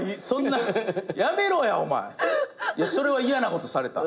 それは嫌なことされた。